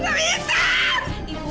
ibu harus kuat ibu